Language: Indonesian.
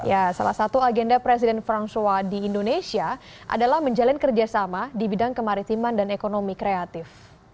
ya salah satu agenda presiden fransua di indonesia adalah menjalin kerjasama di bidang kemaritiman dan ekonomi kreatif